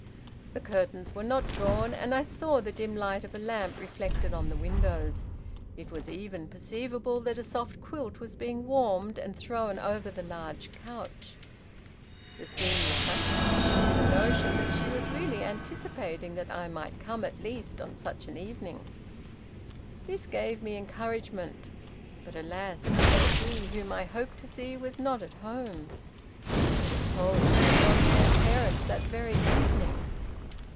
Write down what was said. The curtains were not drawn, and I saw the dim light of a lamp reflected on the windows. It was even perceivable that a soft quilt was being warmed and thrown over the large couch. The scene was such as to give you the notion that she was really anticipating that I might come at least on such an evening. This gave me encouragement, but alas! she whom I hoped to see was not at home. I was told she had gone to her parents that very evening.